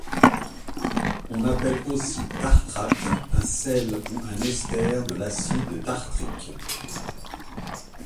On appelle aussi tartrate un sel ou un ester de l'acide tartrique.